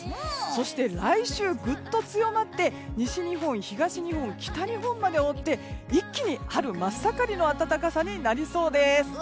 そして、来週ぐっと強まって西日本、東日本北日本まで覆って一気に春真っ盛りの暖かさになりそうです。